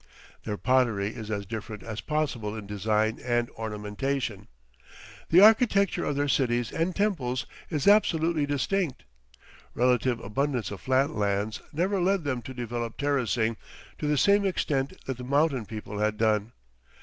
Their pottery is as different as possible in design and ornamentation; the architecture of their cities and temples is absolutely distinct. Relative abundance of flat lands never led them to develop terracing to the same extent that the mountain people had done.